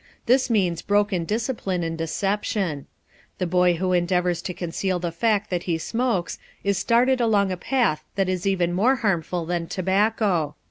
This means broken discipline and deception. The boy who endeavors to conceal the fact that he smokes is started along a path that is even more harmful than tobacco.